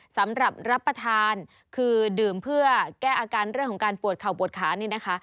สำหรับรับประทานคือดื่มเพื่อแก้อาการเรื่องของการปวดเข่าปวดขานี่นะคะ